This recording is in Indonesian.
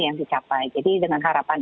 yang dicapai jadi dengan harapan